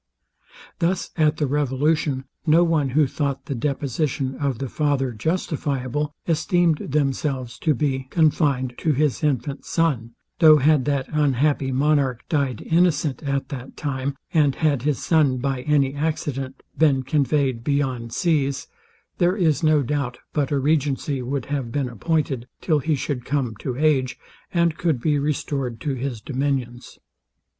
Thus at the revolution, no one who thought the deposition of the father justifiable, esteemed themselves to be confined to his infant son; though had that unhappy monarch died innocent at that time, and had his son, by any accident, been conveyed beyond seas, there is no doubt but a regency would have been appointed till he should come to age, and could be restored to his dominions.